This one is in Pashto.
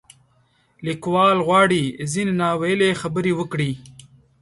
لیکوال غواړي ځینې نا ویلې خبرې وکړي.